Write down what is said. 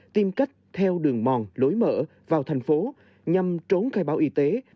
tìm cách theo đường mòn lối mở vào thành phố nhằm trốn khai báo y tế